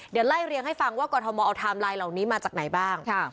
เดี๋ยวไล่เรียงให้ฟังว่ากรทมเอาไทม์ไลน์เหล่านี้มาจากไหนบ้าง